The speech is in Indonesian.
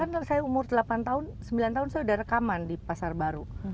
nah umur delapan tahun sembilan tahun saya udah rekaman di pasar baru